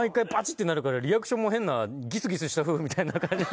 ッてなるからリアクションも変なギスギスした夫婦みたいな。